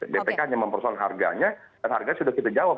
bpk hanya mempersoalkan harganya dan harganya sudah kita jawab